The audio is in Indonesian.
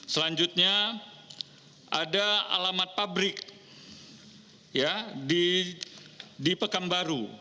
selanjutnya ada alamat pabrik di pekam baru